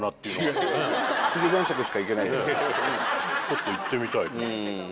ちょっと行ってみたい。